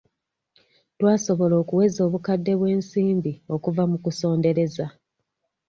Twasobola okuweza obukadde bw'ensimbi okuva mu kusondereza.